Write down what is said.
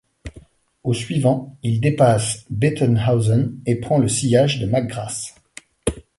Au suivant, il dépasse Bettenhausen et prend le sillage de McGrath.